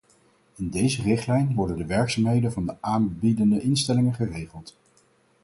In deze richtlijn worden de werkzaamheden van de aanbiedende instellingen geregeld.